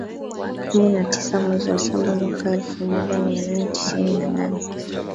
kumi na tisa mwezi wa saba mwaka elfu moja mia nane tisini na nane